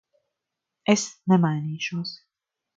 Es nemainīšos.